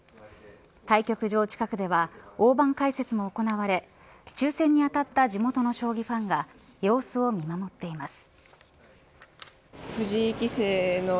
対局場近くでは大盤解説も行われ抽選に当たった地元の将棋ファンが様子を見守っています。